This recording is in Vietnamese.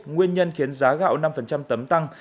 nguyên nhân khiến giá gạo năm tấm tăng